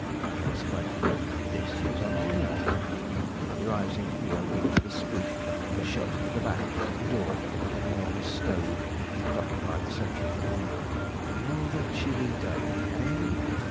he exclaimed; "this is an honor." And rising, he opened with a squeak and shut with a bang the door of an enormous stove that occupied the centre of the room. "Rather chilly day, eh?"